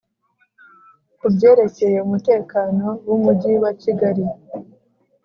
ku byerekeye umutekano w'umujyi wa kigali.